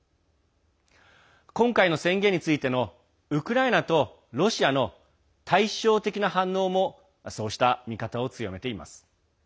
今回の宣言についてのウクライナとロシアの対照的な反応もそうした見方を強めています。